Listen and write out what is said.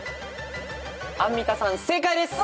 アンミカさん正解です。